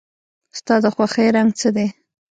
ستا د خوښې رنګ څه دی؟